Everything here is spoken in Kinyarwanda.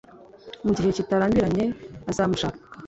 mu gihe kitarambiranye azamushaka